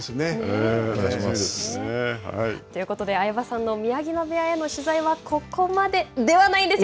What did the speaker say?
ということで相葉さんの宮城野部屋への取材はここまで、ではないんですよ。